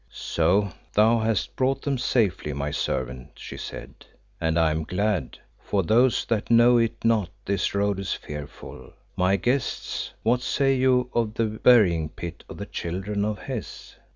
"So thou hast brought them safely, my servant," she said, "and I am glad, for to those that know it not this road is fearful. My guests, what say you of the burying pit of the Children of Hes?"